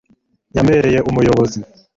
yambereye umuyobozi